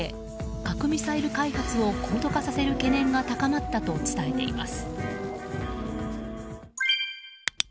核ミサイル開発を高度化させる懸念が高まったと伝えています。